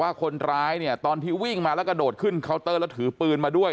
พูดอยู่ว่าเอ่ยเดี๋ยวคนมือยิงหน้าอะไรอย่างเงี้ยมีปืนอย่างเงี้ยเอาปืนออกมาเลย